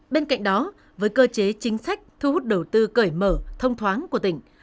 bên cạnh đó với cơ chế chính sách thu hút đầu tư cởi mở thông thoáng của tỉnh